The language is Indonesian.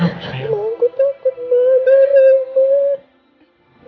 aku takut banget